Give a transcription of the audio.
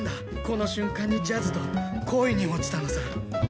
「この瞬間にジャズと恋に落ちたのさ」